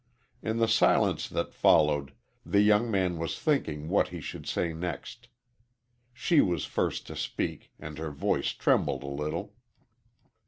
In the silence that followed the young man was thinking what he should say next. She was first to speak, and her voice trembled a little.